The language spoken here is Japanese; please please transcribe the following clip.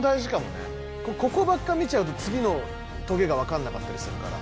ここばっか見ちゃうとつぎのトゲがわかんなかったりするから。